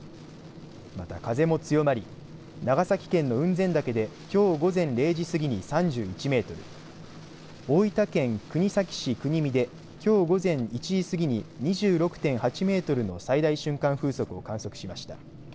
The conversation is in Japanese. また風も強まり、長崎県の雲仙岳できょう午前０時過ぎに３１メートル、大分県国東市国見できょう午前１時過ぎに２６．８メートルの最大瞬間風速を観測しました。